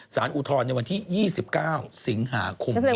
อุทธรณ์ในวันที่๒๙สิงหาคม